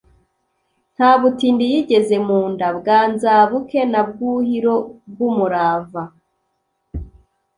Nta butindi yigeze mu nda. Bwanzabuke na Bwuhiro bw' umurava,